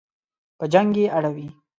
په جنګ یې اړوي.